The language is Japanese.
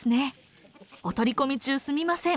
お取り込み中すみません。